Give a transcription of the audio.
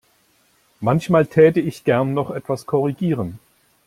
Manchmal täte ich gern noch etwas korrigieren.